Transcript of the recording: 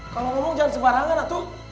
kalau ngomong jangan sebarangan atau